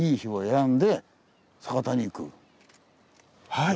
はい！